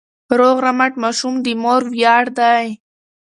روغ رمټ ماشوم د مور ویاړ دی.